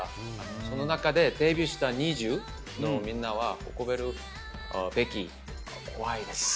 その中でデビューしたＮｉｚｉＵのみんなは誇れるべき後輩です。